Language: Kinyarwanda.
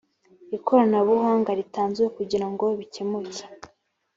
ikoranabuhanga ritanzwe kugira ngo bikemuke